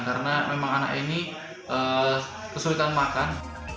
karena memang anak ini kesulitan makan